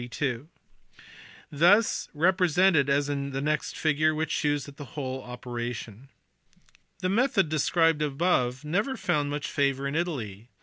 This is represented in figure iii, which shews the whole operation. The method described above never found much favour in Italy.